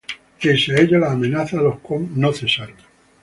Pese a ello las amenazas a los qom no cesaron.